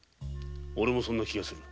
オレもそんな気がする。